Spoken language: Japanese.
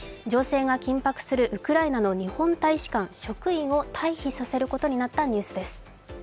情勢が緊迫するウクライナの日本大使館、職員を待避させることになったニュースです。